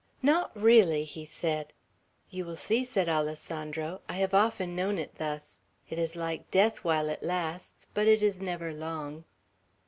"Not really!" he said. "You will see," said Alessandro. "I have often known it thus. It is like death while it lasts; but it is never long."